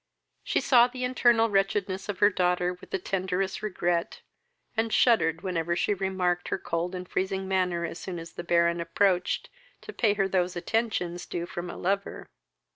She saw the internal wretchedness of her daughter with the tenderest regret, and shuddered whenever she remarked her cold and freezing manner as soon as the Baron approached to pay her those attentions due from a lover.